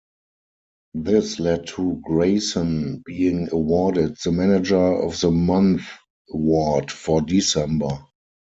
This led to Grayson being awarded the Manager of the Month award for December.